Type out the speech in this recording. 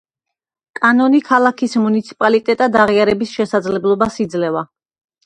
კანონი ქალაქის მუნიციპალიტეტად აღიარების შესაძლებლობას იძლევა.